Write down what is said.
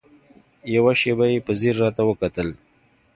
يوه شېبه يې په ځير راته وکتل.